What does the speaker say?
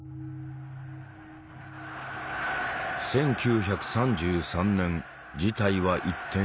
１９３３年事態は一転。